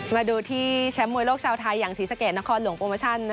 มาดูที่แชมป์มวยโลกชาวไทยอย่างศรีสะเกดนครหลวงโปรโมชั่น